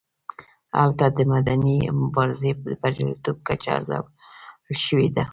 هلته د مدني مبارزې د بریالیتوب کچه ارزول شوې ده.